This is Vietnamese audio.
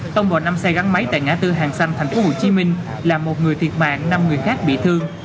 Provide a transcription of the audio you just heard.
tông vào năm xe gắn máy tại ngã tư hàng xanh tp hcm làm một người thiệt mạng năm người khác bị thương